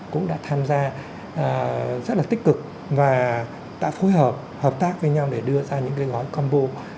cũng đã tham gia rất là tích cực và đã phối hợp hợp tác với nhau để đưa ra những cái gói combo